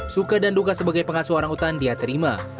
suka dan duka sebagai pengasuh orang utan dia terima